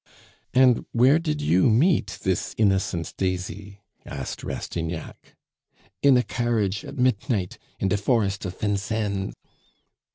"And where did you meet this innocent daisy?" asked Rastignac. "In a carriage, at mitnight, in de forest of Fincennes."